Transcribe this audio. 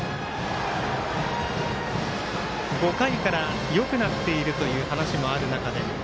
５回からよくなっているという話もある中で。